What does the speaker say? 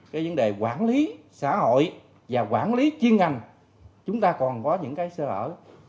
cái vấn đề quản lý xã hội và quản lý chuyên ngành chúng ta còn có những cái sơ hở